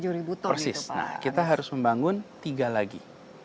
kita harus membangun tiga lagi